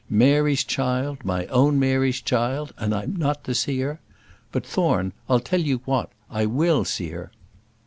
Mary's child, my own Mary's child, and I'm not to see her! But, Thorne, I tell you what; I will see her.